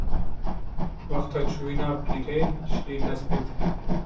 wexta çûyîna pîrê, şilî dest pê dike